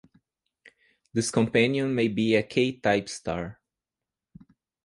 This companion may be a K-type star.